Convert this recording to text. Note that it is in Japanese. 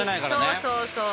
そうそうそう。